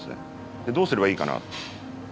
でどうすればいいかな？